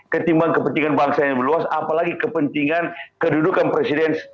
ketimbang kepentingan bangsa yang meluas apalagi kepentingan kedudukan presiden